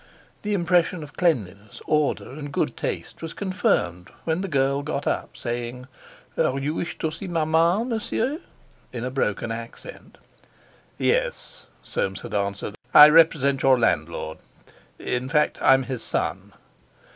The impression of cleanliness, order, and good taste was confirmed when the girl got up, saying, "You wish to see Maman, Monsieur?" in a broken accent. "Yes," Soames had answered, "I represent your landlord; in fact, I'm his son."